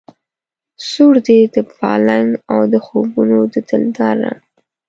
سور دی د پالنګ او د خوبونو د دلدار رنګ